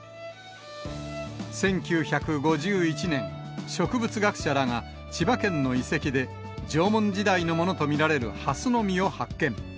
１９５１年、植物学者らが千葉県の遺跡で、縄文時代のものと見られるハスの実を発見。